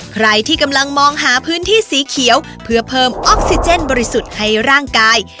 ใครที่กำลังมองหาพื้นที่สีเขียวเพื่อเพิ่มออกซิเจนบริสุทธิ์ให้ร่างกาย